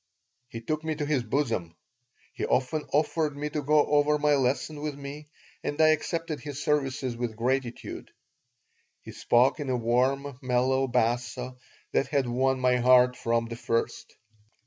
He took me to his bosom. He often offered to go over my lesson with me, and I accepted his services with gratitude. He spoke in a warm, mellow basso that had won my heart from the first.